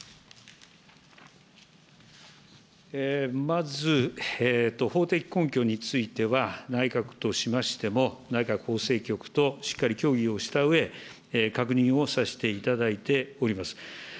まず、法的根拠については、内閣としましても、内閣法制局としっかり協議をしたうえ、確認をさせていただいております。